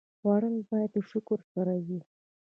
خوړل باید د شکر سره وي